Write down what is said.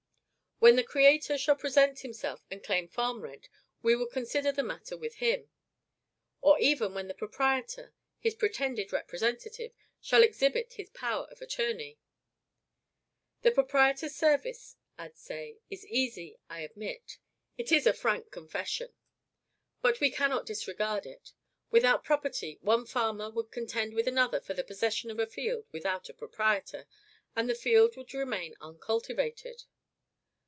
When the Creator shall present himself and claim farm rent, we will consider the matter with him; or even when the proprietor his pretended representative shall exhibit his power of attorney. "The proprietor's service," adds Say, "is easy, I admit." It is a frank confession. "But we cannot disregard it. Without property, one farmer would contend with another for the possession of a field without a proprietor, and the field would remain uncultivated...."